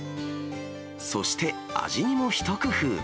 そして、味にも一工夫。